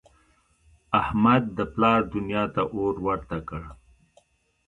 احمد د پلار دونیا ته اور ورته کړ.